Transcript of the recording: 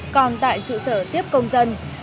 còn tại trụ sở tiếp công dân